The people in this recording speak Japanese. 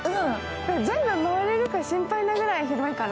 全部回れるか心配なぐらい広いから。